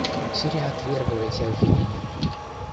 Сирия отвергла эти обвинения.